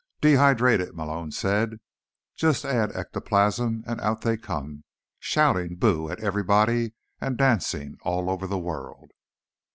"Dehydrated," Malone said. "Just add ectoplasm and out they come, shouting boo at everybody and dancing all over the world."